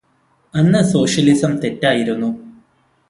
അന്ന് സോഷ്യലിസം തെറ്റായിരുന്നു.